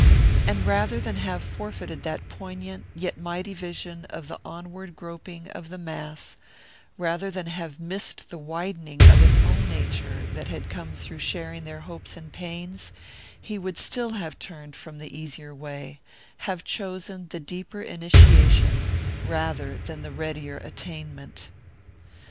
And rather than have forfeited that poignant yet mighty vision of the onward groping of the mass, rather than have missed the widening of his own nature that had come through sharing their hopes and pains, he would still have turned from the easier way, have chosen the deeper initiation rather than the readier attainment.